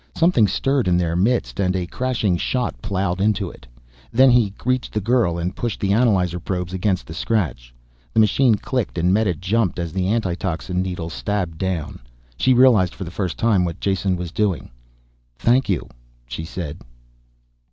Something stirred in their midst and a crashing shot ploughed into it. Then he reached the girl and pushed the analyzer probes against the scratch. The machine clicked and Meta jumped as the antitoxin needle stabbed down. She realized for the first time what Jason was doing. "Thank you," she said.